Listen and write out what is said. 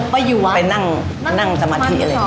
ไปนั่งสมาธิ